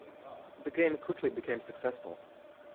The game quickly became successful.